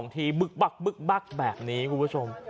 ทีบึกบักแบบนี้คุณผู้ชม